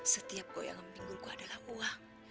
setiap goyang appears ku adalah uang